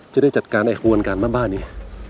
จะได้จัดการไอ้ขบวนการบ้านนี้